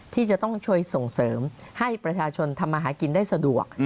ที่จะต้องช่วยส่งเสริมให้ประชาชนทำมาหากินได้สะดวก